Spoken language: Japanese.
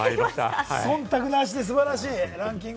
忖度なしって素晴らしいランキング。